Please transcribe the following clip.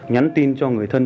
nhắn tin cho người thân